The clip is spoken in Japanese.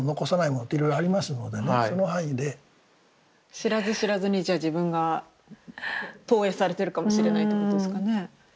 知らず知らずにじゃあ自分が投影されてるかもしれないってことですかね。